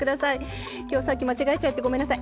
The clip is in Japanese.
今日さっき間違えちゃってごめんなさい。